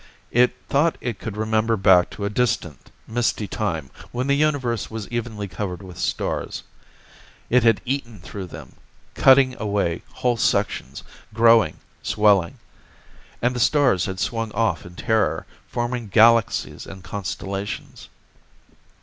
It thought it could remember back to a distant, misty time when the Universe was evenly covered with stars. It had eaten through them, cutting away whole sections, growing, swelling. And the stars had swung off in terror, forming galaxies and constellations.